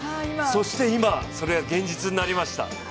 そして今それが現実になりました。